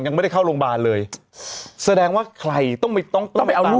ยังไม่ได้เข้าโรงพยาบาลเลยแสดงว่าใครต้องไปต้องต้องไปเอาลูก